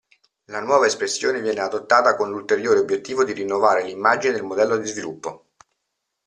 La nuova espressione viene adottata con l'ulteriore obiettivo di rinnovare l'immagine del modello di sviluppo.